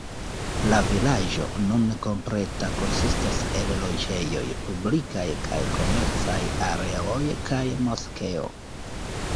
La vilaĝo, nune kompleta, konsistas el loĝejoj, publikaj kaj komercaj areoj, kaj moskeo.